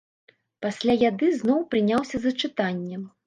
Пасля яды зноў прыняўся за чытанне.